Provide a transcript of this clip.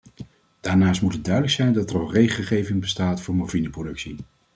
Daarnaast moet het duidelijk zijn dat er al regelgeving bestaat voor morfineproductie.